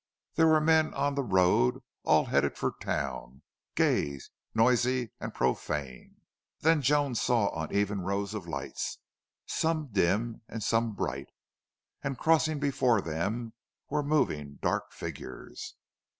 There were men on the road, all headed for town, gay, noisy and profane. Then Joan saw uneven rows of lights, some dim and some bright, and crossing before them were moving dark figures.